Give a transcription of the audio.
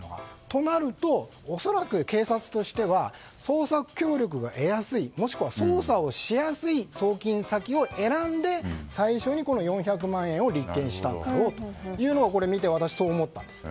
となると、恐らく警察としては捜査協力が得やすいもしくは捜査をしやすい送金先を選んで、最初に４００万円を立件したんだろうというのが見て、私はそう思ったんです。